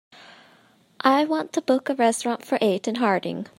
I want to book a restaurant for eight in Harding.